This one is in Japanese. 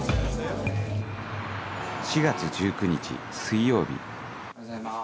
４月１９日水曜日おはようございます。